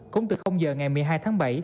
cũng từ giờ ngày một mươi hai tháng bảy